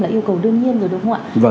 là yêu cầu đương nhiên rồi đúng không ạ